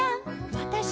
「わたし？